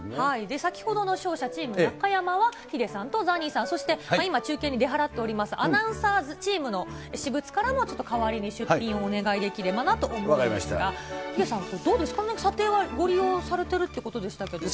先ほどの勝者、チーム中山は、ヒデさんとザニーさん、そして今中継に出払っております、アナウンサーズチームの私物からもちょっと代わりに出品をお願いできればなと思いますが、ヒデさん、どうですかね、査定はご利用されてるっていうことでしたけども。